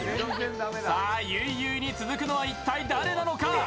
さぁ、ゆいゆいに続くのは一体誰なのか。